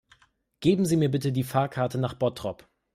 Geben Sie mir bitte die Fahrkarte nach Bottrop